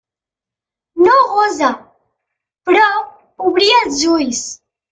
No gosa, però, obrir els ulls.